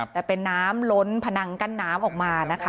แต่เป็นน้ำล้นพนังกั้นน้ำออกมานะคะ